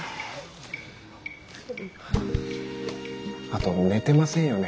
あと寝てませんよね？